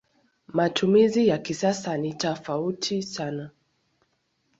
Matumizi ya kisasa ni tofauti sana.